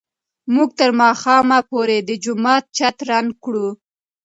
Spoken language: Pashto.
موږ به تر ماښامه پورې د جومات چت رنګ کړو.